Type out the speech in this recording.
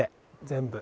全部。